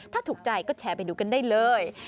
ถ้าถูกใจก็แชร์ไปดูกันได้เลย